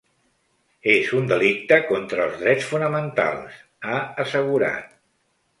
És un delicte contra els drets fonamentals, ha assegurat.